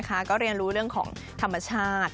ก็เรียนรู้เรื่องของธรรมชาติ